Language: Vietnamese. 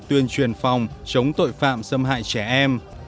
tuyên truyền phòng chống tội phạm xâm hại trẻ em